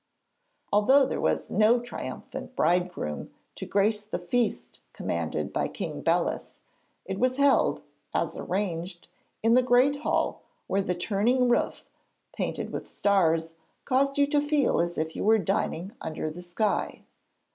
Although there was no triumphant bridegroom to grace the feast commanded by King Belus, it was held, as arranged, in the great hall where the turning roof, painted with stars, caused you to feel as if you were dining under the sky.